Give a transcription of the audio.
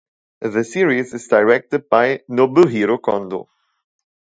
The series is directed by Nobuhiro Kondo.